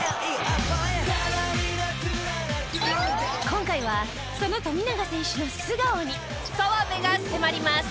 今回はその富永選手の素顔に澤部が迫ります。